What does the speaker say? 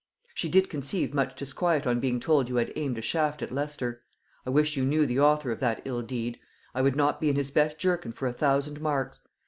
She did conceive much disquiet on being told you had aimed a shaft at Leicester; I wish you knew the author of that ill deed; I would not be in his best jerkin for a thousand marks.